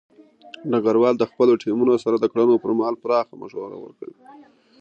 ډګروال د خپلو ټیمونو سره د کړنو پر مهال پراخه مشوره ورکوي.